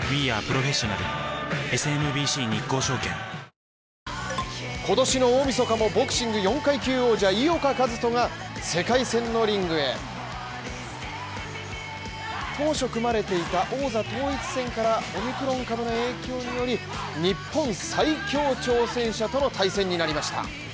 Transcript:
ＪＴ今年の大晦日もボクシング４階級王者井岡一翔が、世界戦のリングへ当初組まれていた王座統一戦からオミクロン株の影響により日本最強挑戦者との対戦になりました